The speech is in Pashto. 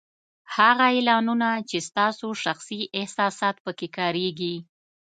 هغه اعلانونه چې ستاسو شخصي احساسات په کې کارېږي